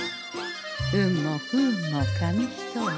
運も不運も紙一重。